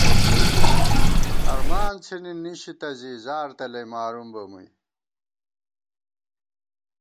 ہرمان څِھنی نِشِتہ زی، زار تلَئ مارُوم بہ مُوئی